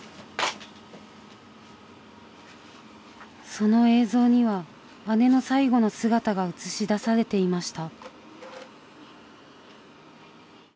その映像には姉の最期の姿が映し出されていました。